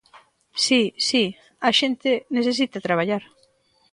Si, si, a xente necesita traballar.